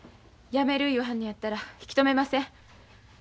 やめる言わはんのやったら引き止めません。